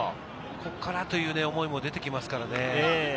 ここからという思いも出てきますからね。